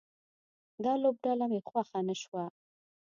دا لوبډله مې خوښه نه شوه